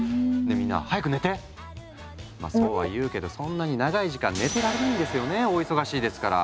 みんなまあそうは言うけどそんなに長い時間寝てられないんですよねお忙しいですから。